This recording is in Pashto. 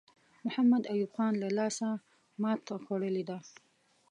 محمد ایوب خان له لاسه ماته خوړلې ده.